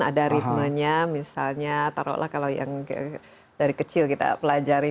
ada ritmenya misalnya taruhlah kalau yang dari kecil kita pelajari